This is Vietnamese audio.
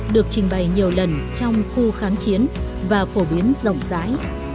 được trình bày nhiều lần trong khu kháng trị